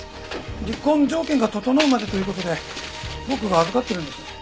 離婚条件が整うまでという事で僕が預かっているんです。